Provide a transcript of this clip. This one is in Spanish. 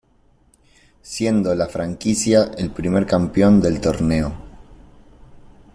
Siendo la franquicia el primer campeón del Torneo.